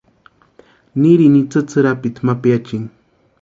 Nirini itsï tsʼirapiti ma piachini.